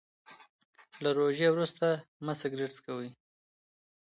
له روژې وروسته مه سګریټ څکوئ.